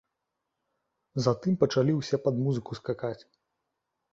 Затым пачалі ўсе пад музыку скакаць.